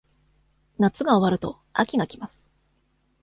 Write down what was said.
夏が終わると、秋が来ます。